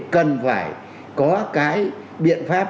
cần phải có cái biện pháp